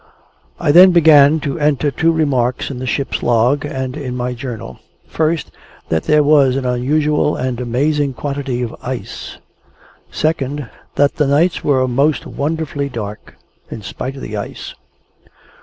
I then began to enter two remarks in the ship's Log and in my Journal; first, that there was an unusual and amazing quantity of ice; second, that the nights were most wonderfully dark, in spite of the ice.